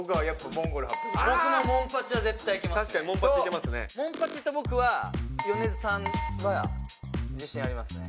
モンパチと僕は米津さんは自信ありますね。